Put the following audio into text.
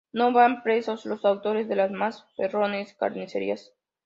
No van presos los autores de las más feroces carnicerías.